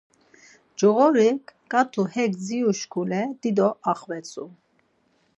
Coğorik ǩat̆u hek dziruşkule dido axvetzu.